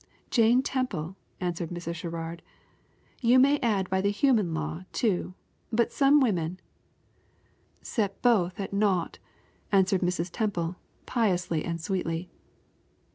"Jane Temple," answered Mrs. Sherrard, "you may add by the human law, too; but some women " "Set both at naught," answered Mrs. Temple, piously and sweetly.